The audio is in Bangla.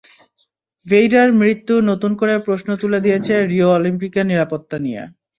ভেইরার মৃত্যু নতুন করে প্রশ্ন তুলে দিয়েছে রিও অলিম্পিকের নিরাপত্তা নিয়ে।